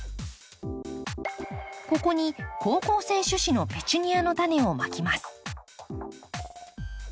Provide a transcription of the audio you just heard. ここに好光性種子のペチュニアのタネをまきます